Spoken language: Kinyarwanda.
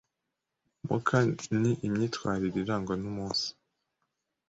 muka ni imyitwarire irangwa no umunsi